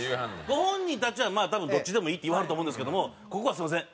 ご本人たちはまあ多分どっちでもいいって言わはると思うんですけどもここはすみません